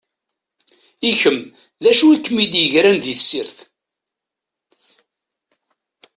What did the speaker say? I kem, d acu i kem-id-igren di tessirt?